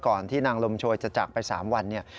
ก่อนที่นางลมโชยจะจากไป๓วัน